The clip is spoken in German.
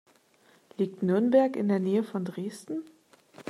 Liegt Nürnberg in der Nähe von Dresden?